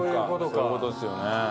そういうことですよね。